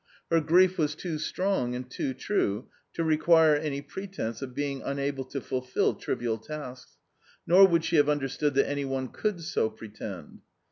Her grief was too strong and too true to require any pretence of being unable to fulfil trivial tasks, nor would she have understood that any one could so pretend.